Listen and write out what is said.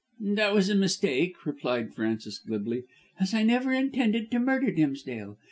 "That was a mistake," replied Frances glibly, "as I never intended to murder Dimsdale.